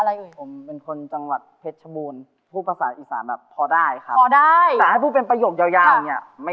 และแก่ก็ตั้งใจหักได้จากพักกะมาทิมกัน